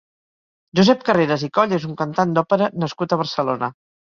Josep Carreras i Coll és un cantant d'òpera nascut a Barcelona.